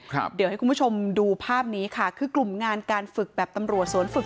ครับเดี๋ยวให้คุณผู้ชมดูภาพนี้ค่ะคือกลุ่มงานการฝึกแบบตำรวจสวนฝึก